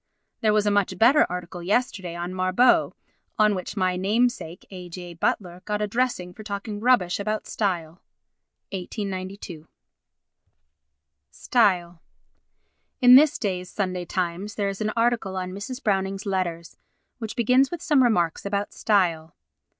There was a much better article yesterday on Marbot, on which my namesake A. J. Butler got a dressing for talking rubbish about style. [1892.] Style In this day's Sunday Times there is an article on Mrs. Browning's letters which begins with some remarks about style.